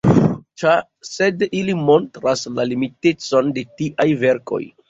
Sed ili montras la limitecon de tiaj verkoj.